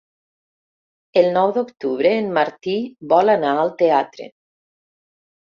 El nou d'octubre en Martí vol anar al teatre.